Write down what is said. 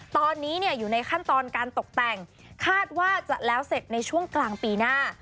ตอนนี้อยู่ในขั้นตอนการตกแต่งคาดว่าจะแล้วเสร็จในช่วงกลางปีหน้า